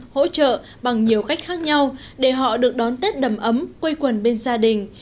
hỗ trợ bằng nhiều cách khác nhau để họ được đón tết đầm ấm quây quần bên gia đình